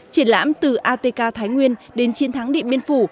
triển lãm từ atk thái nguyên đến chiến thắng điện biên phủ